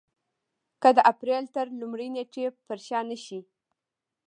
که د اپرېل تر لومړۍ نېټې پر شا نه شي.